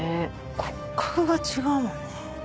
骨格が違うもんな。